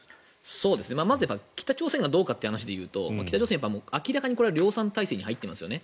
まず北朝鮮がどうかという話で言うと北朝鮮は明らかに量産体制に入ってますよね。